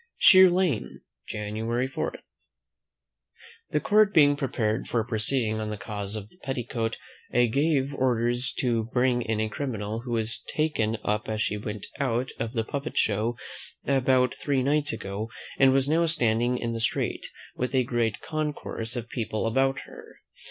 Sheer Lane, January 4. The court being prepared for proceeding on the cause of the petticoat, I gave orders to bring in a criminal, who was taken up as she went out of the puppet show about three nights ago, and was now standing in the street, with a great concourse of people about her.